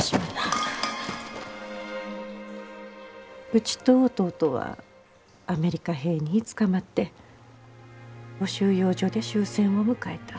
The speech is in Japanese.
うちと弟はアメリカ兵につかまって収容所で終戦を迎えた。